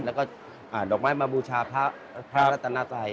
แล้วก็ดอกไม้มาบูชาพระพระรัตนาศัย